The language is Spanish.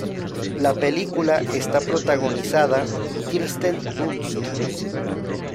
La película está protagonizada Kirsten Dunst.